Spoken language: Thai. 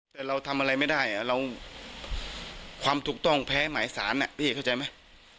แต่เราทำอะไรไม่ได้เราความถูกต้องแพ้หมายสารพี่เข้าใจไหม